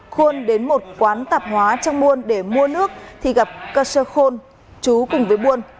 khuôn đến một quán tạp hóa trong muôn để mua nước thì gặp kershaw kwon chú cùng với muôn